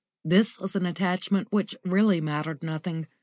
This was an attachment which really mattered nothing.